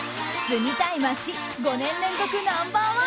住みたい街５年連続ナンバー